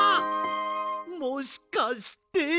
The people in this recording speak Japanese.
もしかして。